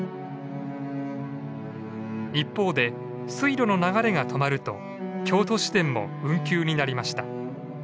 一方で水路の流れが止まると京都市電も運休になりました。